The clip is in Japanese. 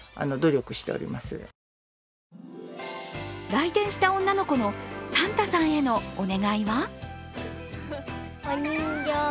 来店した女の子のサンタさんへのお願いは？